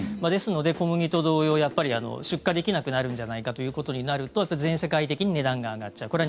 ですので、小麦と同様出荷できなくなるんじゃないかということになると全世界的に値段が上がっちゃう。